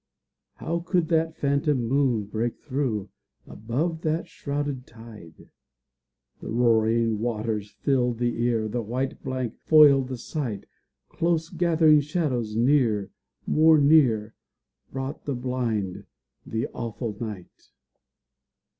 How could that phantom moon break through, Above that shrouded tide? The roaring waters filled the ear, A white blank foiled the sight. Close gathering shadows near, more near, Brought the blind, awful night.